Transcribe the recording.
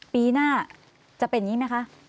ปีหน้าจะเป็นอย่างนี้ไหมคะ